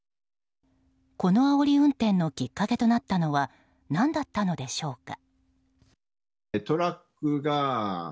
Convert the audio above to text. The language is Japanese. このあおり運転のきっかけとなったのは何だったのでしょうか。